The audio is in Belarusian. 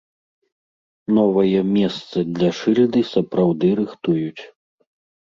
Новае месца для шыльды сапраўды рыхтуюць.